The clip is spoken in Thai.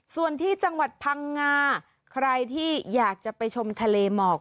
ส่วนที่จังหวัดพังงาใครที่อยากจะไปชมทะเลหมอก